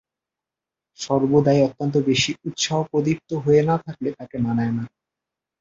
সর্বদাই অত্যন্ত বেশি উৎসাহপ্রদীপ্ত হয়ে না থাকলে তাকে মানায় না।